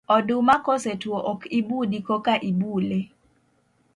Oduma kosetwo ok ibudi koka ibule.